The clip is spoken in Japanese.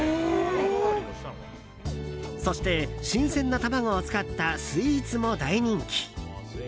そして、新鮮な卵を使ったスイーツも大人気！